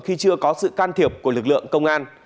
khi chưa có sự can thiệp của lực lượng công an